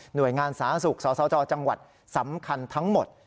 โดยงานสาธารณสุขสสจจังหวัดสำคัญทั้งหมด